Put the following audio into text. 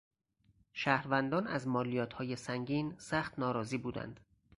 شهروندان از مالیاتهای سنگین سخت ناراضی بودند.